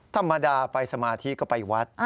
ธรรมดาไปสมาธิก็ไปวัด